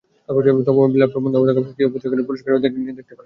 তাই ল্যাপটপ বন্ধ অবস্থায় কি-গুলোকে ভালো করে পরিষ্কার করে নিয়ে দেখতে পারেন।